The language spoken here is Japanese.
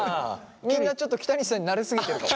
みんなちょっと北西さんに慣れ過ぎてるかも。